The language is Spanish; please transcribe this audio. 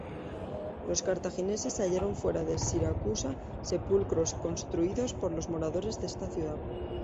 Los cartagineses hallaron fuera de Siracusa sepulcros construidos por los moradores de esta ciudad.